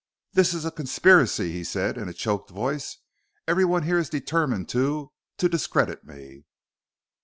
"This is a conspiracy!" he said in a choked voice. "Everyone here is determined to ... to discredit me."